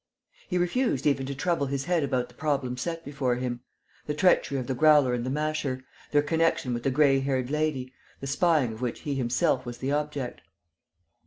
He refused even to trouble his head about the problems set before him: the treachery of the Growler and the Masher; their connection with the gray haired lady; the spying of which he himself was the object.